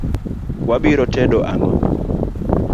Wa biro tedo ang'o?